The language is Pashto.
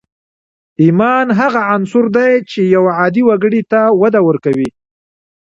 ايمان هغه عنصر دی چې يو عادي وګړي ته وده ورکوي.